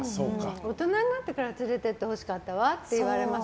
大人になってから連れてってほしかったわって言われます。